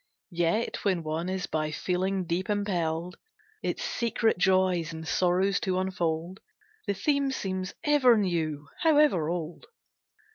Yet, when one is by feeling deep impelled Its secret joys and sorrows to unfold, The theme seems ever new however old.